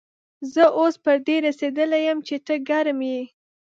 زه اوس پر دې رسېدلی يم چې ته ګرم يې.